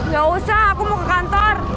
gak usah aku mau ke kantor